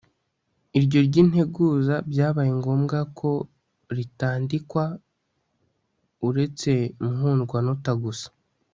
iryo ry'integuza byabaye ngombwa ko ritandikwa uretse muhundwanota gusa